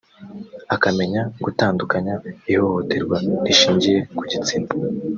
akamenya gutandukanya ihohoterwa rishingiye ku gitsina